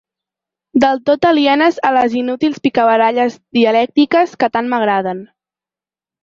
Del tot alienes a les inútils picabaralles dialèctiques que tant m'agraden.